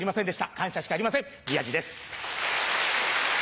感謝しかありません宮治です。